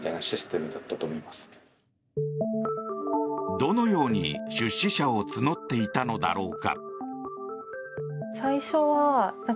どのように出資者を募っていたのだろうか。